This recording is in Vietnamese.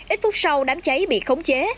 ít phút sau đám cháy bị khống chế